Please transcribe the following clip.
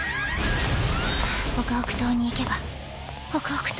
北北東に行けば北北東。